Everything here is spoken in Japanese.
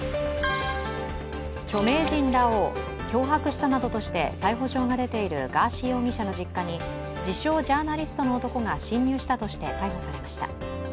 著名人らを脅迫したなどとして逮捕状が出ているガーシー容疑者の実家に自称ジャーナリストの男が侵入したとして、逮捕されました。